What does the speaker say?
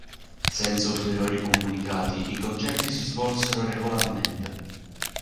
Senza ulteriori comunicati, i concerti si svolsero regolarmente.